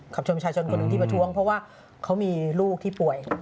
ชนประชาชนคนหนึ่งที่ประท้วงเพราะว่าเขามีลูกที่ป่วย